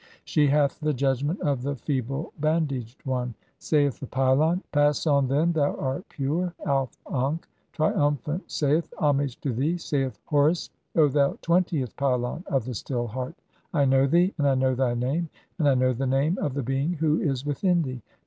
She "hath the judgment of the (67) feeble bandaged one." [Saith the pylon :—] "Pass on, then, thou art pure." XX. (68) The Osiris Auf ankh, triumphant, saith :— "Homage to thee, saith Horus, O thou twentieth pylon of the "Still Heart. I know thee, and I know thy name, and (69) 1 "know the name of the being who is within thee.